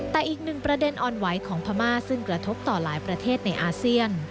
แต่อีกหนึ่งประเด็นอ่อนไหวของพม่าซึ่งกระทบต่อหลายประเทศในอาเซียน